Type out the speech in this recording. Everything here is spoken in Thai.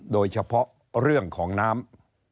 โดยเฉพาะเรื่องของน้ำ